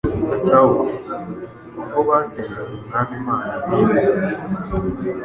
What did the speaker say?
na Sawuli. Ubwo basengaga Umwami Imana biyiriza ubusa,